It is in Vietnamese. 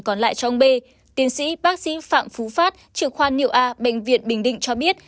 còn lại cho ông b tiến sĩ bác sĩ phạm phú phát trưởng khoa nhựa a bệnh viện bình định cho biết